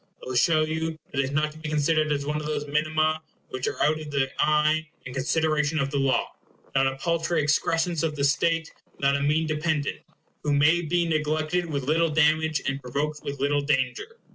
It will show you that it is not to be considered as one of those minima which are out of the eye and consideration of the law; not a paltry excrescence of the state; not a mean dependent, who may be neglected with little damage and provoked with little danger.